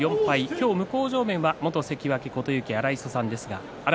今日、向正面は元関脇琴勇輝の荒磯さんです。